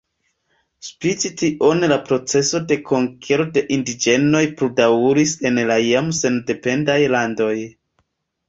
Spite tion la proceso de konkero de indiĝenoj pludaŭris en la jam sendependaj landoj.